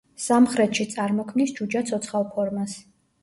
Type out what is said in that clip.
სამხრეთში წარმოქმნის ჯუჯა ცოცხალ ფორმას.